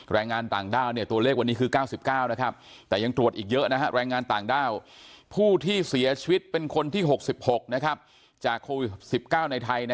แรงงานต่างด้าวในตัวเลขคือ๙๙นะครับแต่ยังตรวจอีกเยอะนะฮะแรงงานต่างด้าวผู้ที่เสียชวิตเป็นคนที่๖๖นะครับจะคูล๙๙ในไทยนะ